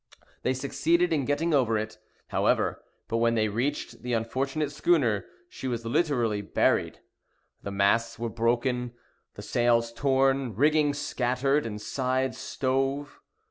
They succeeded in getting over it, however; but when they reached the unfortunate schooner, she was literally buried. The masts were broken, the sails torn, rigging scattered, and sides stove.